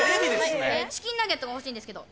チキンナゲットが欲しいんですけど。